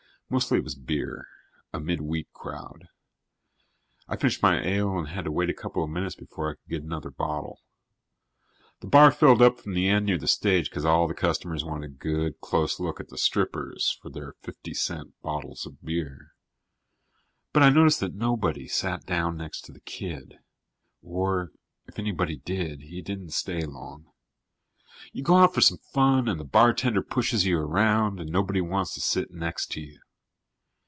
Mostly it was beer a midweek crowd. I finished my ale and had to wait a couple of minutes before I could get another bottle. The bar filled up from the end near the stage because all the customers wanted a good, close look at the strippers for their fifty cent bottles of beer. But I noticed that nobody sat down next to the kid, or, if anybody did, he didn't stay long you go out for some fun and the bartender pushes you around and nobody wants to sit next to you.